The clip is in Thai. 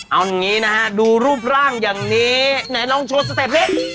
เอาอย่างนี้นะฮะดูรูปร่างอย่างนี้ไหนลองโชว์สเต็ปเพลง